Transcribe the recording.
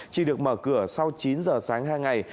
chỉ được mở cửa sau chín h sáng hàng ngày